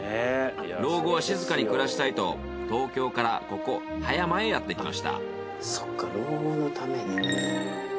老後は静かに暮らしたいと東京からここ葉山へやってきました。